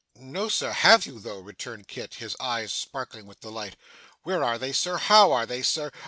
'No, Sir! Have you, though?' returned Kit, his eyes sparkling with delight. 'Where are they, Sir? How are they, Sir?